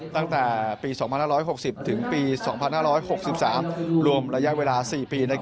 ตั้งแต่ปี๒๐๑๐๒๐๑๖รวมระยะเวลา๔ปี